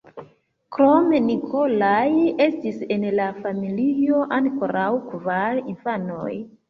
Krom Nikolaj estis en la familio ankoraŭ kvar infanoj.